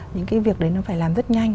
những cái việc đấy nó phải làm rất nhanh